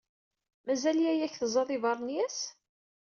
Mazal yaya-k teẓẓaḍ iberniyas?